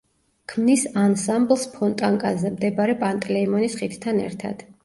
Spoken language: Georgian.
ქმნის ანსამბლს ფონტანკაზე მდებარე პანტელეიმონის ხიდთან ერთად.